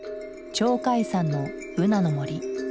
鳥海山のブナの森。